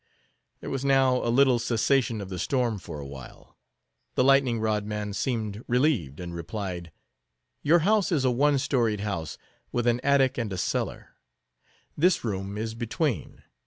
There was now a little cessation of the storm for a while. The Lightning rod man seemed relieved, and replied:— "Your house is a one storied house, with an attic and a cellar; this room is between.